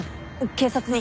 警察に。